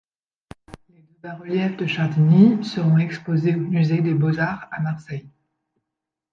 Les deux bas-reliefs de Chardigny seront exposés au musée des beaux-arts à Marseille.